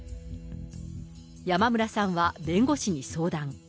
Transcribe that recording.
山村さんは弁護士に相談。